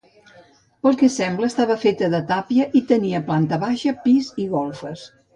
Pel que sembla estava feta de tàpia i tenia planta baixa, pis i golfes.